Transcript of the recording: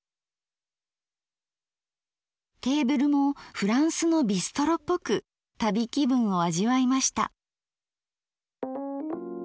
テーブルもフランスのビストロっぽく旅気分を味わいました。